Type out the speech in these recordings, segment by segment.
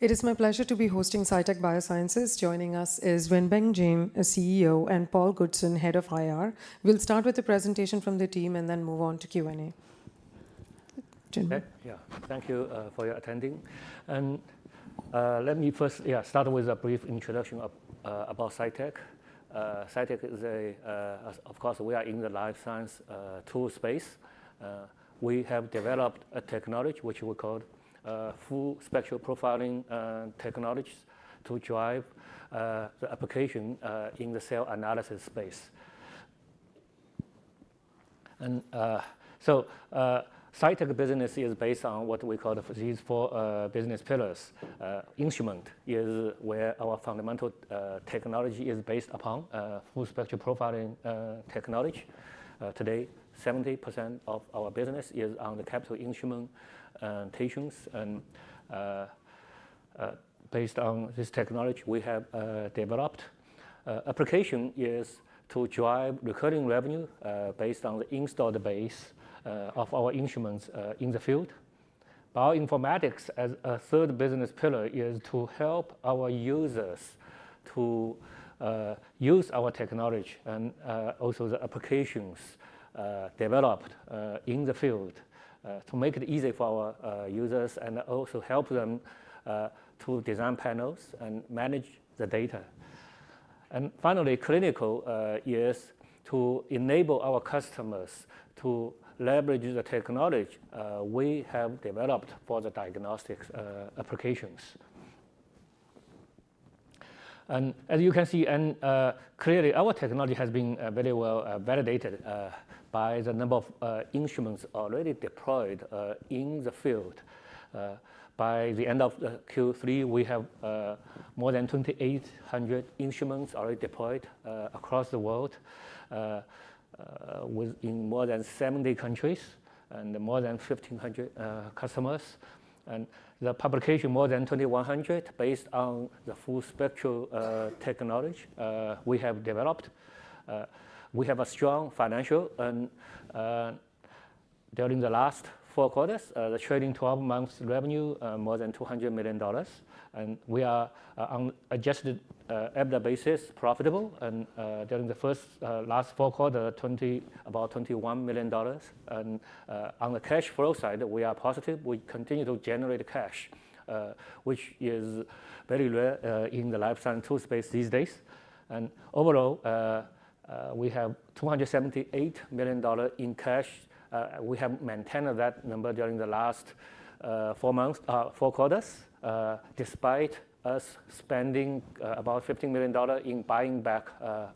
It is my pleasure to be hosting Cytek Biosciences. Joining us is Wenbin Jiang, a CEO, and Paul Goodson, head of IR. We'll start with a presentation from the team and then move on to Q&A. Yeah, thank you for your attending. Let me first start with a brief introduction about Cytek. Cytek is a, of course, we are in the life science tool space. We have developed a technology which we call Full Spectral Profiling technologies to drive the application in the cell analysis space. Cytek business is based on what we call these four business pillars. Instrument is where our fundamental technology is based upon Full Spectral Profiling technology. Today, 70% of our business is on the capital instrument installations. Based on this technology, we have developed an application to drive recurring revenue based on the installed base of our instruments in the field. Bioinformatics, as a third business pillar, is to help our users to use our technology and also the applications developed in the field to make it easy for our users and also help them to design panels and manage the data. And finally, clinical is to enable our customers to leverage the technology we have developed for the diagnostic applications. And as you can see, and clearly, our technology has been very well validated by the number of instruments already deployed in the field. By the end of Q3, we have more than 2,800 instruments already deployed across the world within more than 70 countries and more than 1,500 customers. And the publication, more than 2,100 based on the Full Spectral technology we have developed. We have a strong financial, and during the last four quarters, the trailing 12 months revenue, more than $200 million. We are on adjusted EBITDA basis, profitable. During the last four quarters, about $21 million. On the cash flow side, we are positive. We continue to generate cash, which is very rare in the life science tool space these days. Overall, we have $278 million in cash. We have maintained that number during the last four quarters, despite us spending about $15 million in buying back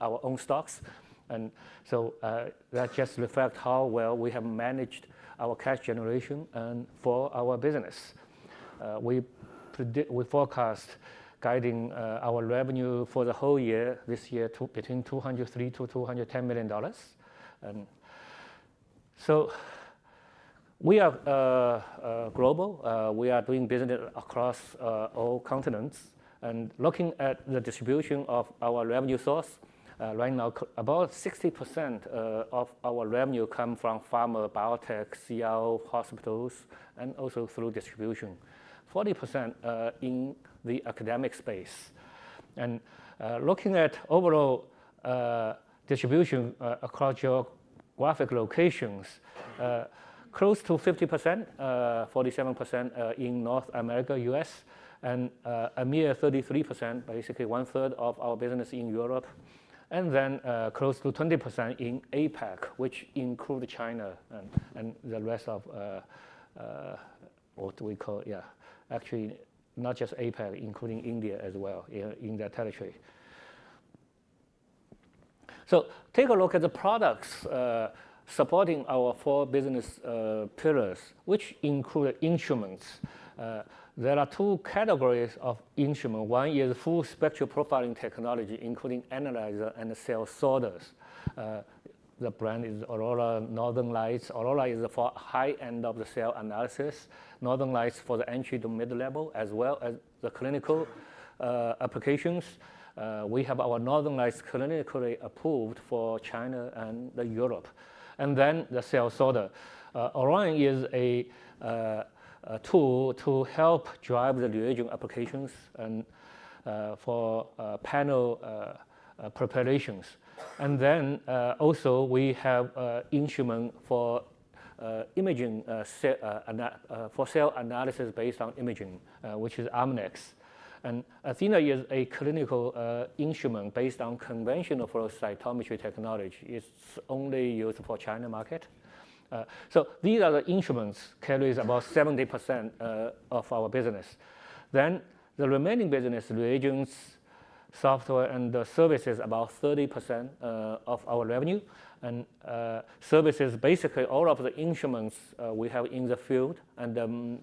our own stocks. That just reflects how well we have managed our cash generation for our business. We forecast guiding our revenue for the whole year this year between $203-$210 million. We are global. We are doing business across all continents. Looking at the distribution of our revenue source, right now, about 60% of our revenue comes from pharma biotech, CRO, hospitals, and also through distribution, 40% in the academic space. Looking at overall distribution across geographic locations, close to 50%, 47% in North America, U.S., and a mere 33%, basically one third of our business in Europe. Then close to 20% in APAC, which includes China and the rest of what we call, yeah, actually not just APAC, including India as well in that territory. Take a look at the products supporting our four business pillars, which include instruments. There are two categories of instruments. One is Full Spectral Profiling technology, including analyzer and cell sorters. The brand is Aurora, Northern Lights. Aurora is for high-end of the cell analysis, Northern Lights for the entry to mid-level, as well as the clinical applications. We have our Northern Lights clinically approved for China and Europe. Then the cell sorter. Aurora is a tool to help drive the reagent applications and for panel preparations. And then also we have an instrument for imaging for cell analysis based on imaging, which is Amnis. And Athena is a clinical instrument based on conventional flow cytometry technology. It's only used for the China market. So these are the instruments that carry about 70% of our business. Then the remaining business, reagents, software, and the services, about 30% of our revenue. And services, basically all of the instruments we have in the field. And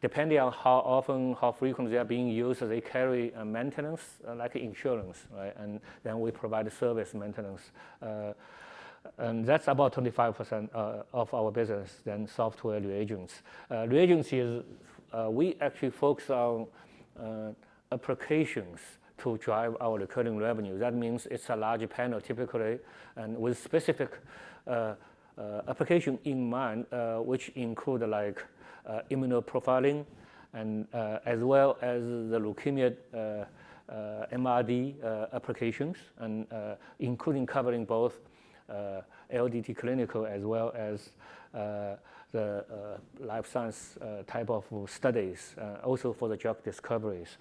depending on how often, how frequently they are being used, they carry maintenance, like insurance. And then we provide service maintenance. And that's about 25% of our business, then software reagents. Reagents is we actually focus on applications to drive our recurring revenue. That means it's a large panel typically, and with specific application in mind, which include immunoprofiling as well as the leukemia MRD applications, including covering both LDT clinical as well as the life science type of studies, also for the drug discoveries.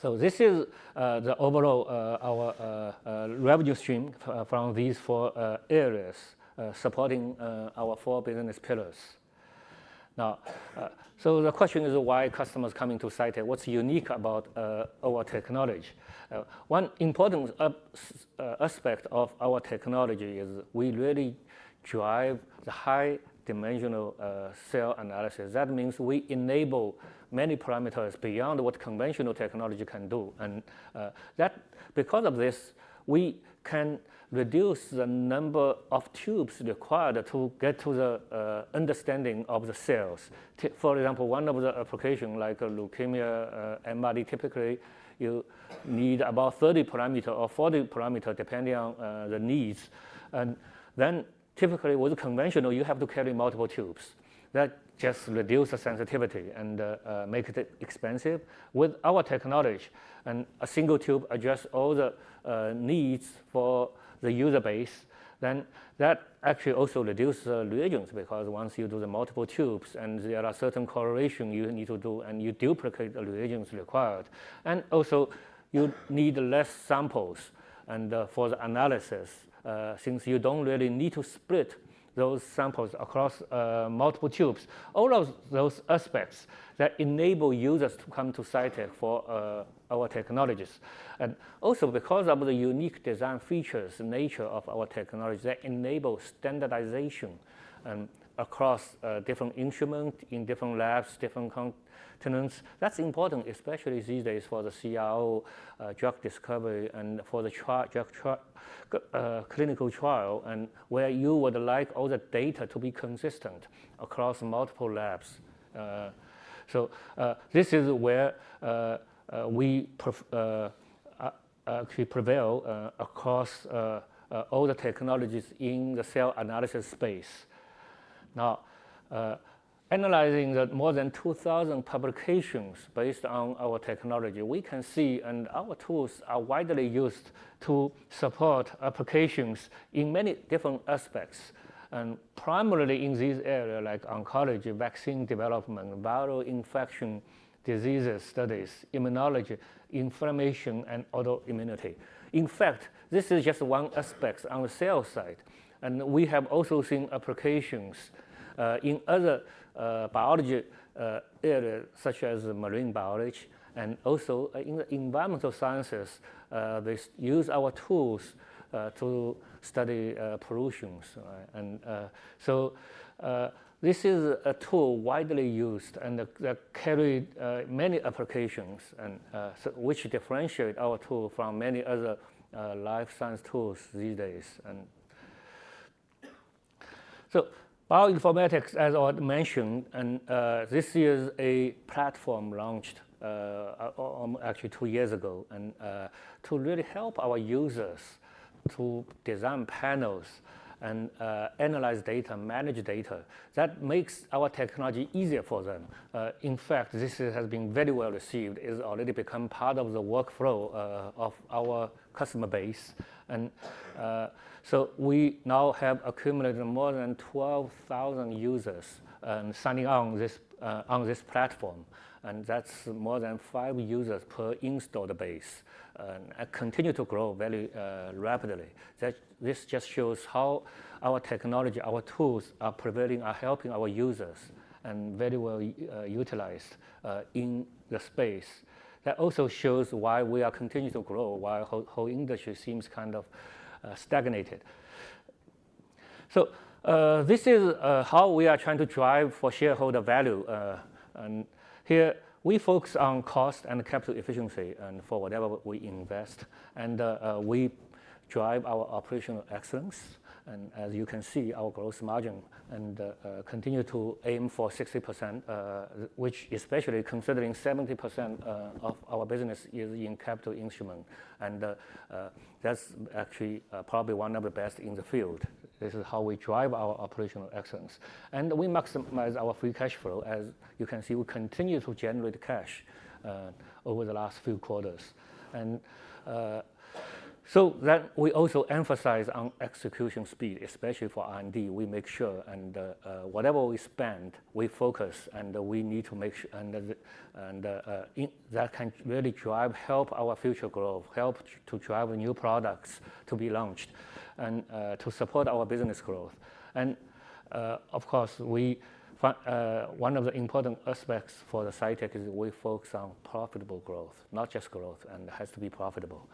So this is the overall our revenue stream from these four areas supporting our four business pillars. Now, so the question is, why are customers coming to Cytek? What's unique about our technology? One important aspect of our technology is we really drive the high-dimensional cell analysis. That means we enable many parameters beyond what conventional technology can do. And because of this, we can reduce the number of tubes required to get to the understanding of the cells. For example, one of the applications like leukemia MRD, typically you need about 30 parameters or 40 parameters depending on the needs. Then typically with conventional, you have to carry multiple tubes. That just reduces sensitivity and makes it expensive. With our technology, a single tube addresses all the needs for the user base. Then that actually also reduces the reagents because once you do the multiple tubes and there are certain correlations you need to do and you duplicate the reagents required. And also you need less samples for the analysis since you don't really need to split those samples across multiple tubes. All of those aspects that enable users to come to Cytek for our technologies. And also because of the unique design features and nature of our technology that enable standardization across different instruments in different labs, different continents. That's important, especially these days for the CRO drug discovery and for the clinical trial and where you would like all the data to be consistent across multiple labs. This is where we actually prevail across all the technologies in the cell analysis space. Now, analyzing the more than 2,000 publications based on our technology, we can see and our tools are widely used to support applications in many different aspects. Primarily in these areas like oncology, vaccine development, viral infection, disease studies, immunology, inflammation, and autoimmunity. In fact, this is just one aspect on the cell side. We have also seen applications in other biology areas such as marine biology and also in the environmental sciences. They use our tools to study pollution. This is a tool widely used and that carried many applications which differentiate our tool from many other life science tools these days. So bioinformatics, as I mentioned, and this is a platform launched actually two years ago to really help our users to design panels and analyze data, manage data. That makes our technology easier for them. In fact, this has been very well received. It's already become part of the workflow of our customer base. And so we now have accumulated more than 12,000 users signing on this platform. And that's more than five users per installed base. And continue to grow very rapidly. This just shows how our technology, our tools are prevailing, are helping our users and very well utilized in the space. That also shows why we are continuing to grow, why the whole industry seems kind of stagnated. So this is how we are trying to drive for shareholder value. And here we focus on cost and capital efficiency for whatever we invest. And we drive our operational excellence. And as you can see, our gross margin and continue to aim for 60%, which, especially considering 70% of our business is in capital instruments. And that's actually probably one of the best in the field. This is how we drive our operational excellence. And we maximize our free cash flow. As you can see, we continue to generate cash over the last few quarters. And so then we also emphasize on execution speed, especially for R&D. We make sure and whatever we spend, we focus and we need to make sure. And that can really drive, help our future growth, help to drive new products to be launched and to support our business growth. And of course, one of the important aspects for the Cytek is we focus on profitable growth, not just growth, and it has to be profitable.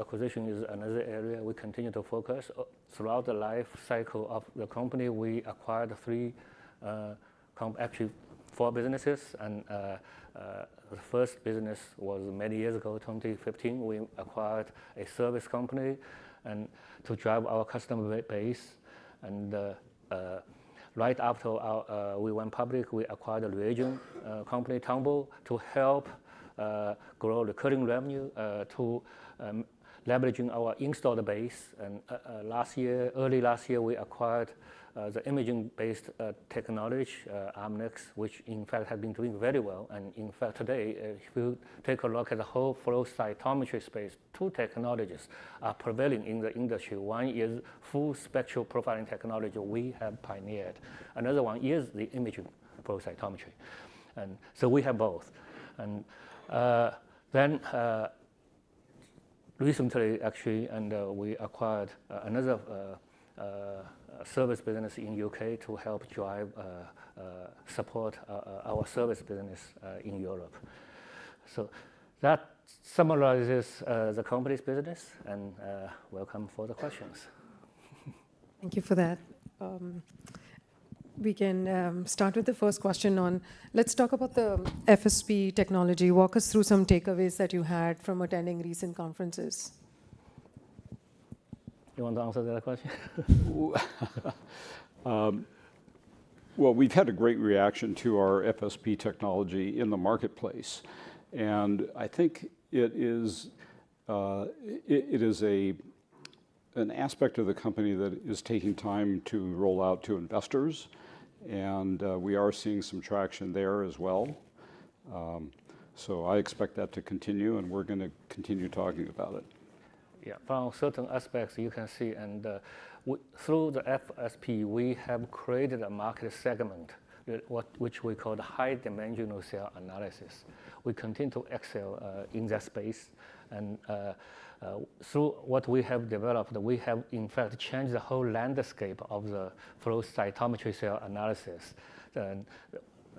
Acquisition is another area we continue to focus throughout the life cycle of the company. We acquired three, actually four businesses. The first business was many years ago, 2015. We acquired a service company to drive our customer base. Right after we went public, we acquired a reagent company, Tonbo, to help grow recurring revenue to leveraging our installed base. Last year, early last year, we acquired the imaging-based technology, Amnis, which in fact has been doing very well. In fact, today, if you take a look at the whole flow cytometry space, two technologies are prevailing in the industry. One is Full Spectral Profiling technology we have pioneered. Another one is the imaging flow cytometry. We have both. Recently, actually, we acquired another service business in the U.K. to help drive support our service business in Europe. That summarizes the company's business. Welcome for the questions. Thank you for that. We can start with the first question on, let's talk about the FSP technology. Walk us through some takeaways that you had from attending recent conferences. You want to answer that question? We've had a great reaction to our FSP technology in the marketplace. And I think it is an aspect of the company that is taking time to roll out to investors. And we are seeing some traction there as well. So I expect that to continue, and we're going to continue talking about it. Yeah, from certain aspects, you can see and through the FSP, we have created a market segment which we call the high-dimensional cell analysis. We continue to excel in that space. And through what we have developed, we have in fact changed the whole landscape of the flow cytometry cell analysis. And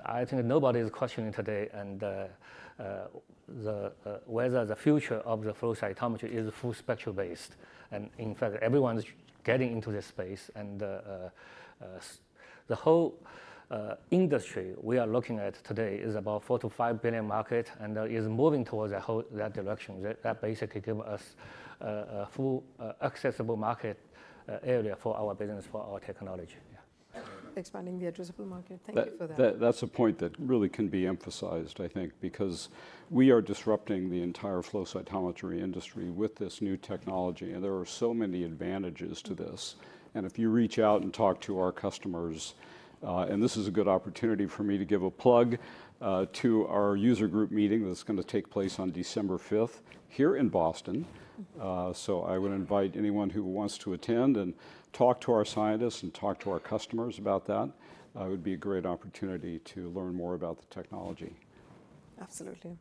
I think nobody is questioning today whether the future of the flow cytometry is Full Spectral based. And in fact, everyone's getting into this space. And the whole industry we are looking at today is about a $4-5 billion market and is moving towards that direction. That basically gives us a full accessible market area for our business, for our technology. Expanding the addressable market. Thank you for that. That's a point that really can be emphasized, I think, because we are disrupting the entire flow cytometry industry with this new technology. And there are so many advantages to this. And if you reach out and talk to our customers, and this is a good opportunity for me to give a plug to our user group meeting that's going to take place on December 5th here in Boston. So I would invite anyone who wants to attend and talk to our scientists and talk to our customers about that. It would be a great opportunity to learn more about the technology. Absolutely.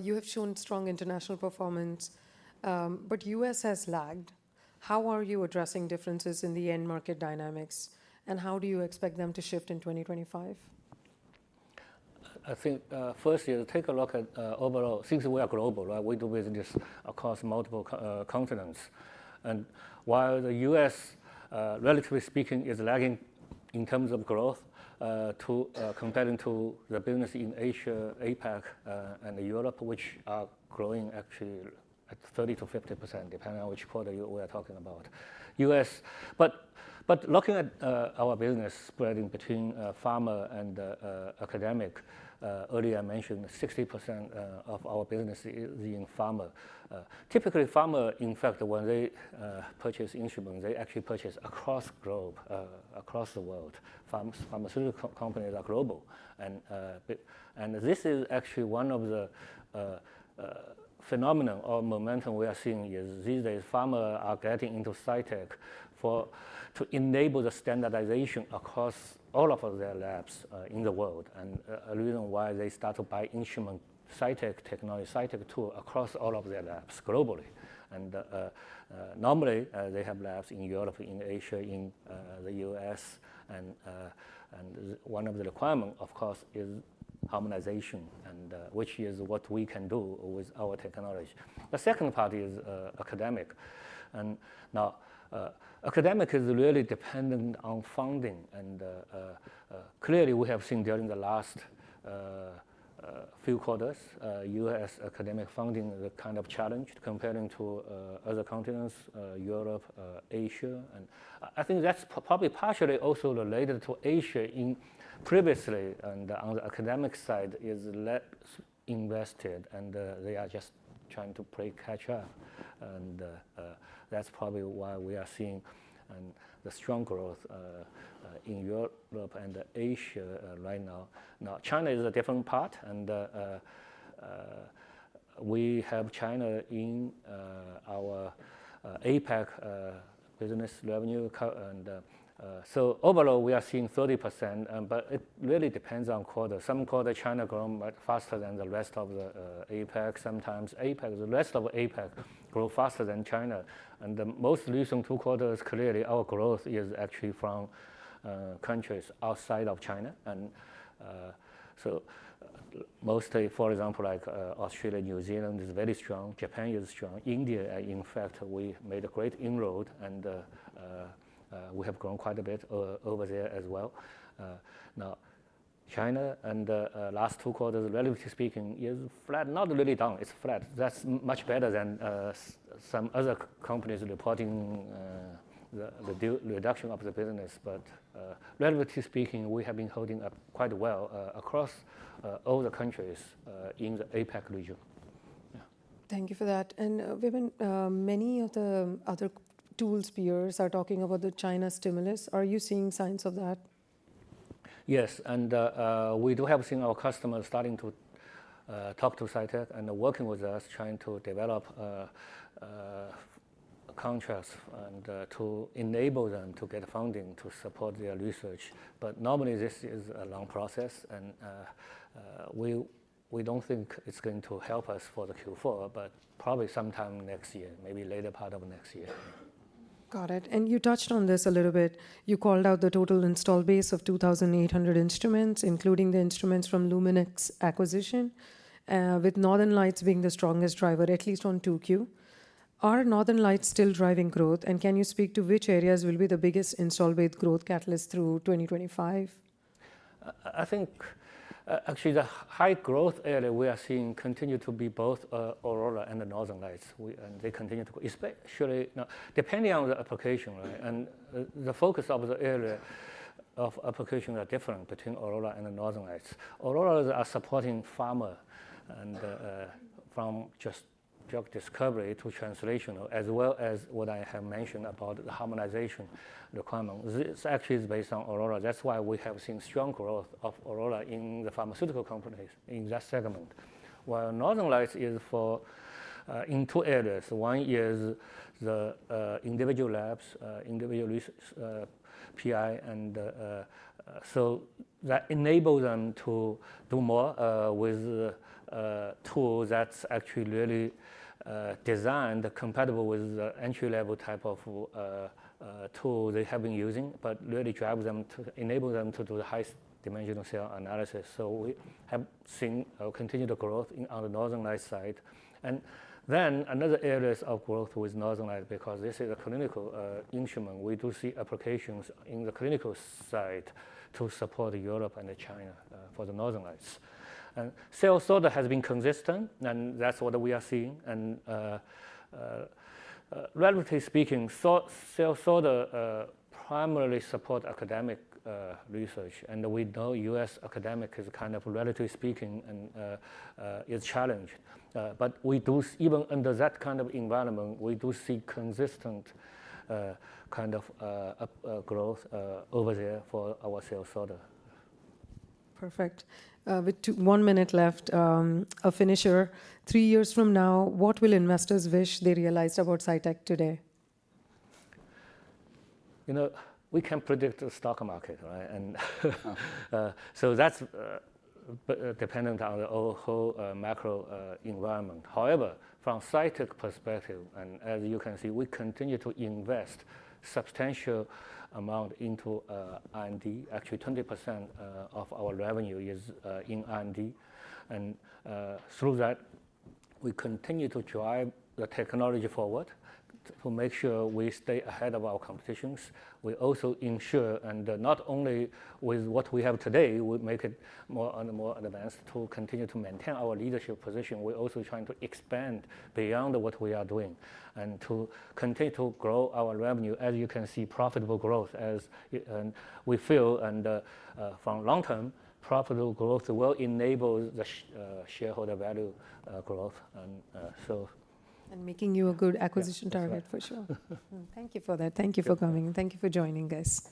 You have shown strong international performance, but the U.S. has lagged. How are you addressing differences in the end market dynamics, and how do you expect them to shift in 2025? I think first, you take a look at overall, since we are global, we do business across multiple continents. And while the U.S., relatively speaking, is lagging in terms of growth compared to the business in Asia, APAC, and Europe, which are growing actually at 30%-50%, depending on which quarter we are talking about. But looking at our business spreading between pharma and academic, earlier I mentioned 60% of our business is in pharma. Typically, pharma, in fact, when they purchase instruments, they actually purchase across globe, across the world. Pharmaceutical companies are global. And this is actually one of the phenomena or momentum we are seeing is these days pharma are getting into Cytek to enable the standardization across all of their labs in the world. And the reason why they start to buy instruments, Cytek technology, Cytek tool across all of their labs globally. And normally they have labs in Europe, in Asia, in the U.S. And one of the requirements, of course, is harmonization, which is what we can do with our technology. The second part is academic. And now academic is really dependent on funding. And clearly we have seen during the last few quarters, U.S. academic funding is kind of challenged comparing to other continents, Europe, Asia. And I think that's probably partially also related to Asia in previously. And on the academic side is less invested. And they are just trying to play catch up. And that's probably why we are seeing the strong growth in Europe and Asia right now. Now China is a different part. And we have China in our APAC business revenue. And so overall we are seeing 30%. But it really depends on quarter. Some quarter China grows faster than the rest of the APAC. Sometimes the rest of APAC grows faster than China. And the most recent two quarters, clearly, our growth is actually from countries outside of China. And so mostly, for example, like Australia, New Zealand is very strong. Japan is strong. India, in fact, we made a great inroad. And we have grown quite a bit over there as well. Now, China, and last two quarters, relatively speaking, is flat. Not really down. It's flat. That's much better than some other companies reporting the reduction of the business. But relatively speaking, we have been holding up quite well across all the countries in the APAC region. Thank you for that, and many of the other tools peers are talking about the China stimulus. Are you seeing signs of that? Yes, and we do have seen our customers starting to talk to Cytek and working with us, trying to develop contracts and to enable them to get funding to support their research, but normally this is a long process, and we don't think it's going to help us for the Q4, but probably sometime next year, maybe later part of next year. Got it. And you touched on this a little bit. You called out the total installed base of 2,800 instruments, including the instruments from Luminex acquisition, with Northern Lights being the strongest driver, at least on 2Q. Are Northern Lights still driving growth? And can you speak to which areas will be the biggest install base growth catalyst through 2025? I think actually the high growth area we are seeing continues to be both Aurora and the Northern Lights, and they continue to, especially depending on the application, and the focus of the area of application are different between Aurora and the Northern Lights. Aurora are supporting pharma from just drug discovery to translational, as well as what I have mentioned about the harmonization requirement. This actually is based on Aurora. That's why we have seen strong growth of Aurora in the pharmaceutical companies in that segment. While Northern Lights is for in two areas. One is the individual labs, individual PI, and so that enables them to do more with tools that's actually really designed compatible with the entry-level type of tool they have been using, but really drive them, enable them to do the high-dimensional cell analysis, so we have seen continued growth on the Northern Lights side. And then another area of growth with Northern Lights, because this is a clinical instrument, we do see applications in the clinical side to support Europe and China for the Northern Lights. And cell sorter has been consistent. And that's what we are seeing. And relatively speaking, cell sorter primarily supports academic research. And we know U.S. academic is kind of, relatively speaking, is challenged. But we do, even under that kind of environment, we do see consistent kind of growth over there for our cell sorter. Perfect. With one minute left, a finisher. Three years from now, what will investors wish they realized about Cytek today? You know, we can predict the stock market, and so that's dependent on the whole macro environment. However, from Cytek's perspective, and as you can see, we continue to invest a substantial amount into R&D. Actually, 20% of our revenue is in R&D, and through that, we continue to drive the technology forward to make sure we stay ahead of our competitions. We also ensure, and not only with what we have today, we make it more and more advanced to continue to maintain our leadership position. We're also trying to expand beyond what we are doing and to continue to grow our revenue. As you can see, profitable growth, as we feel, and from long-term, profitable growth will enable the shareholder value growth, and so. Making you a good acquisition target, for sure. Thank you for that. Thank you for coming. Thank you for joining us.